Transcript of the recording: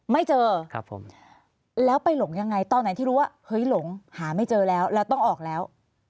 ไม่เจอครับผมแล้วไปหลงยังไงตอนไหนที่รู้ว่าเฮ้ยหลงหาไม่เจอแล้วแล้วต้องออกแล้ว